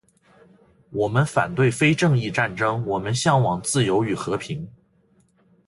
我们反对非正义战争，我们向往自由与和平